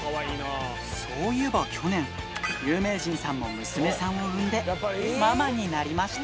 そういえば去年、有名人さんも娘さんを産んで、ママになりました。